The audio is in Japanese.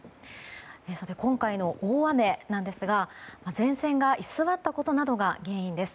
今回の大雨ですが前線が居座ったことなどが原因です。